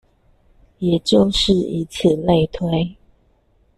也就是以此類推